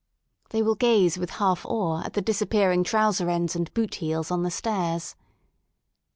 They will gaze with half awe at the dis appearing trouser ends and boot heels on the stairs.